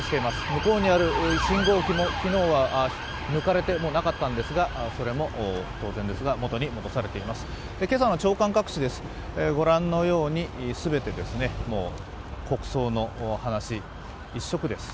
向こうにある信号機も昨日は抜かれてなかったんですが、それも当然ですが、元に戻されています、今朝の朝刊各紙ですご覧のように、全て国葬の話一色です。